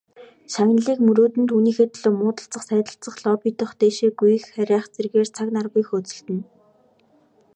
Шагналыг мөрөөднө, түүнийхээ төлөө муудалцах, сайдалцах, лоббидох, дээшээ гүйх харайх зэргээр цаг наргүй хөөцөлдөнө.